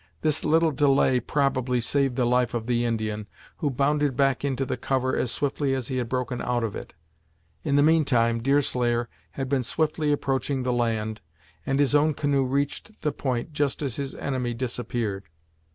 This little delay, probably, saved the life of the Indian, who bounded back into the cover as swiftly as he had broken out of it. In the meantime Deerslayer had been swiftly approaching the land, and his own canoe reached the point just as his enemy disappeared.